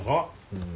うん。